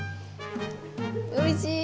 おいしい。